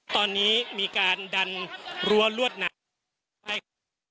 ตอนนี้มีการดันรั้วลวดหนามให้